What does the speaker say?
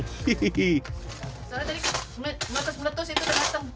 soalnya tadi meletus meletus itu tergetem